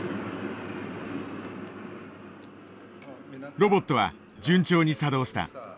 ロボットは順調に作動した。